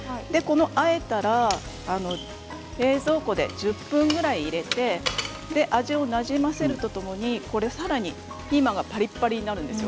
あえたら冷蔵庫で１０分ぐらい入れて味をなじませるとともにこれ、さらにピーマンがパリパリになるんですよ